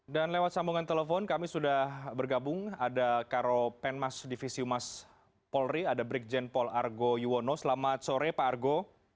dan lewat sambungan telepon kami sudah bergabung ada karo penmas divisi mas polri ada brikjen pol argo yuwono selamat sore pak argo